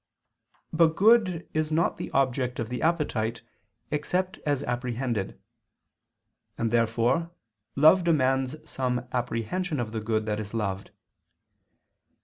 But good is not the object of the appetite, except as apprehended. And therefore love demands some apprehension of the good that is loved.